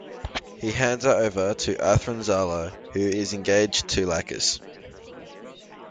He hands her over to Athrun Zala, who is engaged to Lacus.